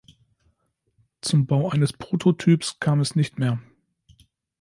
Zum Bau eines Prototyps kam es nicht mehr.